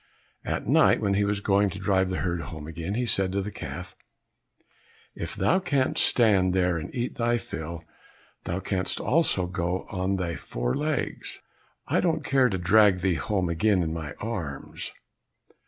At night when he was going to drive the herd home again, he said to the calf, "If thou canst stand there and eat thy fill, thou canst also go on thy four legs; I don't care to drag thee home again in my arms."